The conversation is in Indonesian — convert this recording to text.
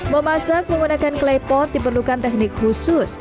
memasak menggunakan klepot diperlukan teknik khusus